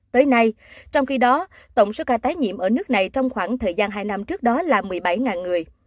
tới nay trong khi đó tổng số ca tái nhiễm ở nước này trong khoảng thời gian hai năm trước đó là một mươi bảy người